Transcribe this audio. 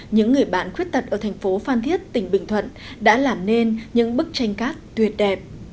những người bạn khuyết tật ở thành phố phan thiết tỉnh bình thuận đã làm nên những bức tranh cát tuyệt đẹp